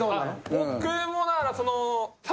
僕もだからその。